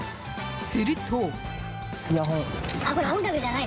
すると。